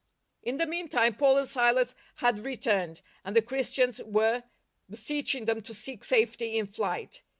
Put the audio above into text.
In the meantime Paul and Silas had re turned, and the Christians were beseeching them to seek safety in flight.